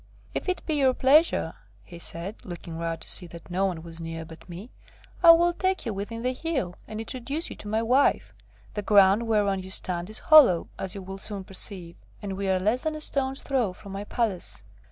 "If it be your pleasure," he said, looking round to see that no one was near but me, "I will take you within the hill, and introduce you to my wife. The ground whereon you stand is hollow, as you will soon perceive, and we are less than a stone's throw from my palace."